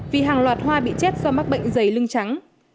một loạt hoa bị chết do mắc bệnh dày lưng trắng